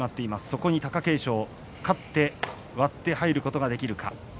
そこに貴景勝、勝って割って入ることができるか。